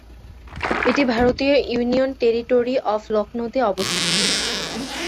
এটি ভারতীয় union territory of লক্ষ্মৌতে অবস্থিত।